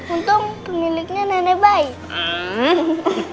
untung pemiliknya nenek baik